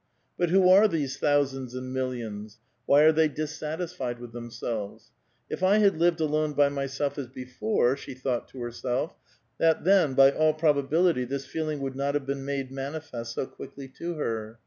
But who are these thousands and millions? Wh}' are they dissatisfied with themselves? If I had lived alone by myself as before, she thought to herself, that then, by all probability, this feeling would not have been made manifest so quickly to her.